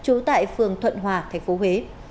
chú tại phường thuận hòa tp huế